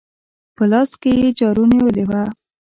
په لاس کې يې جارو نيولې وه.